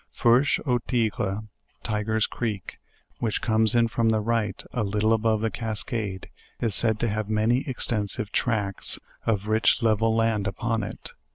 "Fourche a.u Tigre," (Tiger's creek,) which comes in from the right, a little above the cascade, is said to have many extensive tracts of rich level land upon it.